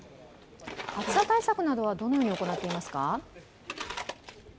暑さ対策などはどのように行っていますか？